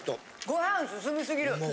ご飯進みすぎる。